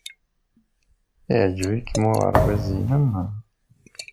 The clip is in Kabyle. Yeɛjeb-ikem uɣerbaz-nnem?